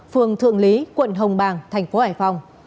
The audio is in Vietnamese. phường thượng lý quận hồng bàng tp hải phòng